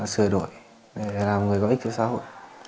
sửa đổi để làm người có ích cho xã hội